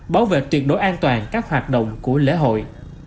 bảo vệ tuyệt đối an toàn các hoạt động của lễ hội